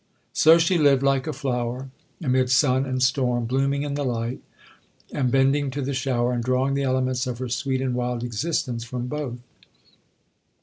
So she lived like a flower amid sun and storm, blooming in the light, and bending to the shower, and drawing the elements of her sweet and wild existence from both.